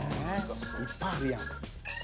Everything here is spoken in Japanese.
「いっぱいあるやん」